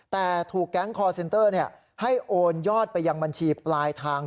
แต่ถูกแก๊งคอร์เซนเตอร์ให้โอนยอดไปยังบัญชีปลายทาง